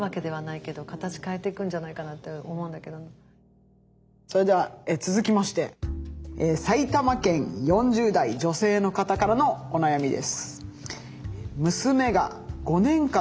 そしたらそれでは続きまして埼玉県４０代女性の方からのお悩みです。